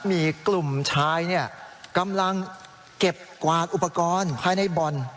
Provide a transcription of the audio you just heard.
มีกลุ่มชายกำลังเก็บกวาดอุปกรณ์ภายในบ่อน